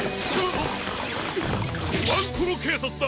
ワンコロけいさつだ！